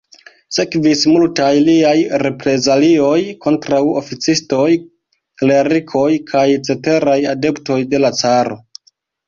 Sekvis multaj liaj reprezalioj kontraŭ oficistoj, klerikoj kaj ceteraj adeptoj de la caro.